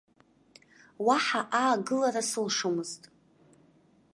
Уаҳа аагылара сылшомызт.